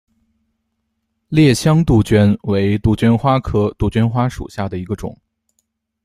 烈香杜鹃为杜鹃花科杜鹃花属下的一个种。